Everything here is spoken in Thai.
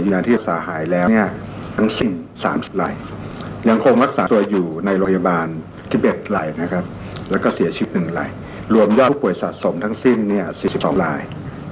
อยู่ในโรงพยาบาลทิบเอ็ดไหลนะครับแล้วก็เสียชีพหนึ่งไหลรวมย่อผู้ป่วยสะสมทั้งสิ้นเนี่ยสี่สิบสองลาย